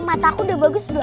mataku udah bagus belum